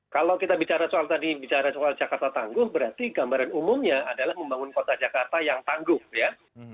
kalau kita bicara soal tadi bicara soal jakarta tangguh berarti gambaran umumnya adalah membangun kota jakarta yang tangguh ya